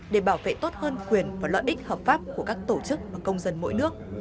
để bảo vệ tốt hơn quyền và lợi ích hợp pháp của các tổ chức và công dân mỗi nước